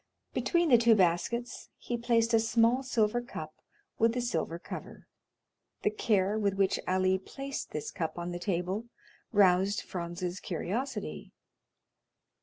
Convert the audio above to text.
Between the two baskets he placed a small silver cup with a silver cover. The care with which Ali placed this cup on the table roused Franz's curiosity.